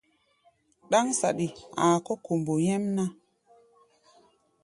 Ɗáŋ saɗi a̧a̧ kɔ̧́ kombo nyɛ́mná.